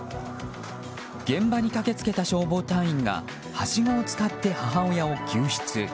現場に駆け付けた消防隊員がはしごを使って母親を救出。